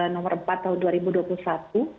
nomor empat tahun dua ribu dua puluh satu